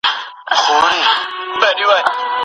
موږ باید د پښتو ژبي لپاره انلاین وسیله ولرو.